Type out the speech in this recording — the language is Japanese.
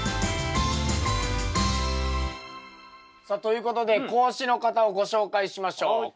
さあということで講師の方をご紹介しましょう。